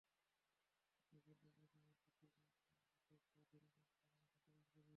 নফল রোজা, নামাজ, জিকির-আসকারের ভেতর দিয়ে ধর্মপ্রাণ মুসলমানরা দিনটি পালন করবেন।